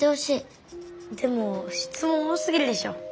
でもしつもん多すぎるでしょ。